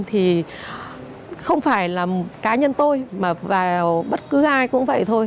thì không phải là cá nhân tôi mà vào bất cứ ai cũng vậy thôi